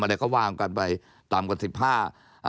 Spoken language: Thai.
อะไรก็ว่างกันไปตามกว่า๑๕